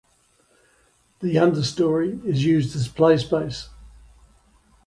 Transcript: The understorey is used as play space.